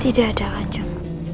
tidak ada kan